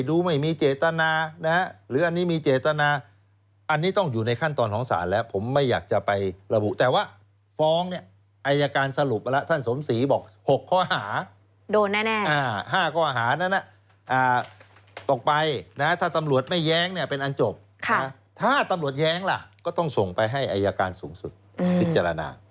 โดนแน่อ่า๕ก็อาหารั้นนะอ่าตกไปนะฮะถ้าตำรวจไม่แย้งเนี่ยเป็นอันจบถ้าตำรวจแย้งล่ะก็ต้องส่งไปให้อายการสูงสุดพิจารณา